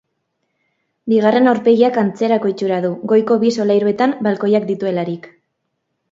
Bigarren aurpegiak antzerako itxura du, goiko bi solairuetan balkoiak dituelarik.